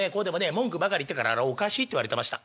文句ばかり言ってあれはおかしいって言われてました。